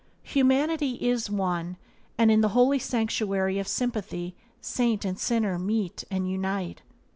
Humanity is one, and in the holy sanctuary of sympathy saint and sinner meet and unite.